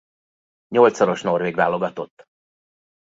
Nyolcszoros norvég válogatott.